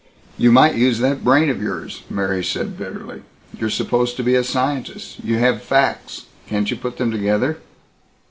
"You might use that brain of yours," Mary said bitterly. "You're supposed to be a scientist. You have facts. Can't you put them together?"